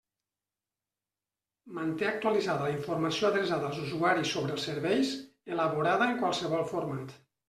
Manté actualitzada la informació adreçada als usuaris sobre els serveis elaborada en qualsevol format.